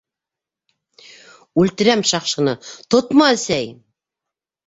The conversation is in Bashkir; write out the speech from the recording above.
Үлтерәм шаҡшыны, тотма, әсәй!